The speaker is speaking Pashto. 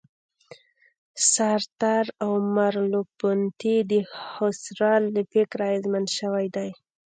سارتر او مرلوپونتې د هوسرل له فکره اغېزمن شوي دي.